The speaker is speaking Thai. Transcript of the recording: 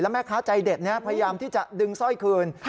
แม่ค้าใจเด็ดพยายามที่จะดึงสร้อยคืน